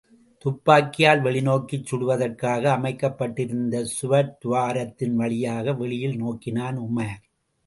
துப்பாக்கியால் வெளிநோக்கிச் சுடுவதற்காக அமைக்கப்பட்டிருந்த சுவர்த்துவாரத்தின் வழியாக வெளியில் நோக்கினான் உமார்.